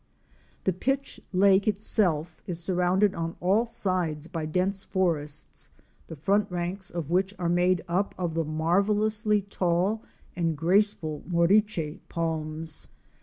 The pitch lake itself is surrounded on all sides by dense forests, the front ranks of which are made up of the marvellously tall and graceful moriche palms.